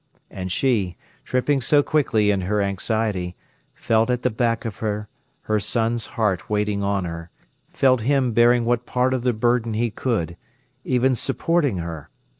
And she, tripping so quickly in her anxiety, felt at the back of her her son's heart waiting on her, felt him bearing what part of the burden he could, even supporting her.